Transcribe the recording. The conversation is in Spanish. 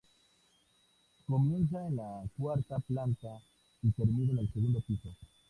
Comienza en la cuarta planta y termina en el segundo piso.